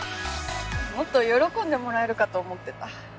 もっと喜んでもらえるかと思ってた。